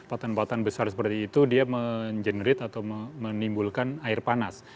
patan papatan besar seperti itu dia mengenerate atau menimbulkan air panas